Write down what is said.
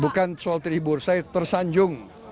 bukan soal terhibur saya tersanjung